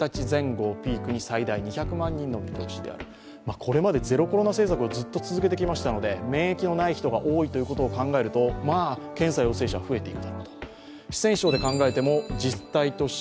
これまでゼロコロナ政策をずっと続けてきましたので多いということを考えると、検査・陽性者が増えている。